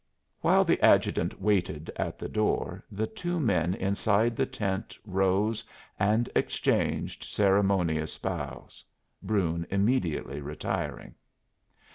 While the adjutant waited at the door the two men inside the tent rose and exchanged ceremonious bows, Brune immediately retiring.